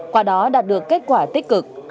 qua đó đạt được kết quả tích cực